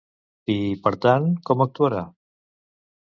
I, per tant, com actuarà?